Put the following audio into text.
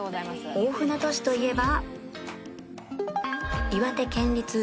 大船渡市といえば